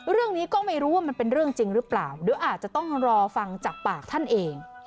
เรื่องนี้ก็ไม่รู้ว่ามันเป็นเรื่องจริงหรือเปล่าเดี๋ยวอาจจะต้องรอฟังจากปากท่านเอง